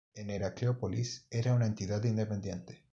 En Heracleópolis era una entidad independiente.